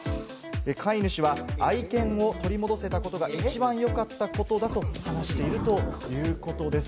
飼い主は愛犬を取り戻せたことが一番良かったことだと話しているということです。